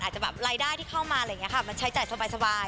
อาจจะแบบรายได้ที่เข้ามาอะไรอย่างนี้ค่ะมันใช้จ่ายสบาย